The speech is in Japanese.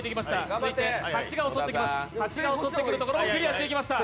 続いて蜂が襲ってくるところもクリアしていきました。